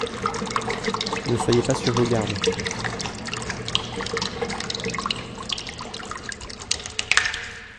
ne soyez par sur vos gardes.